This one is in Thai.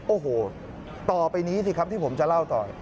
โอ้โหต่อไปนี้สิครับที่ผมจะเล่าต่อ